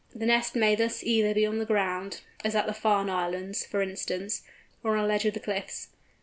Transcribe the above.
The nest may thus either be on the ground—as at the Farne Islands, for instance—or on a ledge of the cliffs.